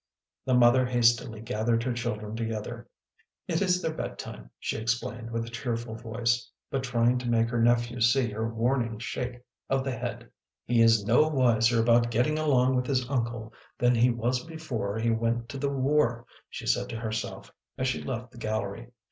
The mother hastily gathered her children together. " It is their bedtime," she explained with a cheerful voice, but trying to make her nephew see her warning shake of the head. WALKING THE RAINBOW 125 " He is no wiser about getting along with his uncle than he was before he went to the war," she said to her self as she left the gallery.